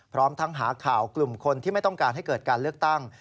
พร้อมทั้งหาข่าวกลุ่มคนที่ไม่ต้องการให้เกิดการเลือกตั้ง